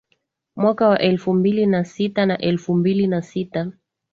Mwaka wa elfu mbili na sita na elfu mbili na sita